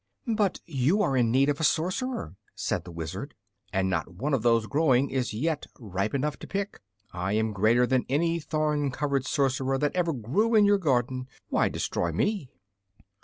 "But you are in need of a Sorcerer," said the Wizard, "and not one of those growing is yet ripe enough to pick. I am greater than any thorn covered sorcerer that ever grew in your garden. Why destroy me?"